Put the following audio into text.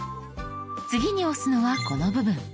次に押すのはこの部分。